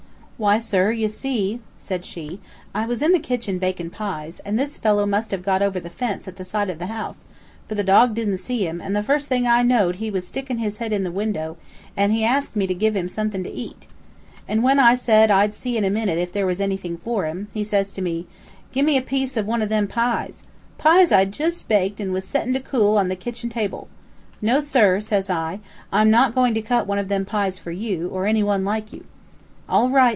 "Why, sir, you see," said she, "I was in the kitchen bakin' pies, and this fellow must have got over the fence at the side of the house, for the dog didn't see him, and the first thing I know'd he was stickin' his head in the window, and he asked me to give him somethin' to eat. And when I said I'd see in a minute if there was anything for him, he says to me, 'Gim me a piece of one of them pies,' pies I'd just baked and was settin' to cool on the kitchen table! 'No, sir,' says I, 'I'm not goin' to cut one of them pies for you, or any one like you.' 'All right!'